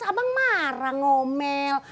abang marah ngomel